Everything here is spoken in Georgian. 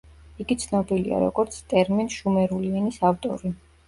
იგი ცნობილია, როგორც ტერმინ „შუმერული ენის“ ავტორი.